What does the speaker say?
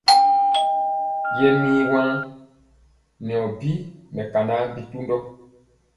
Jɛ mi wan nyɔ bi mɛkana bitundɔ.